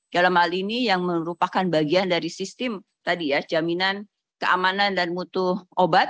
dalam hal ini yang merupakan bagian dari sistem jaminan keamanan dan mutu obat